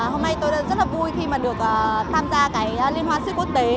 hôm nay tôi rất là vui khi mà được tham gia cái liên hoàn siếc quốc tế